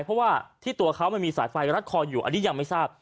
เพราะว่าที่ตัวเขามันมีสายไฟรัดคออยู่อันนี้ยังไม่ทราบ